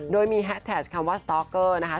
โดยมีแฮสแท็กคำว่าสต๊อกเกอร์นะคะ